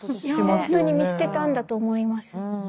本当に見捨てたんだと思います。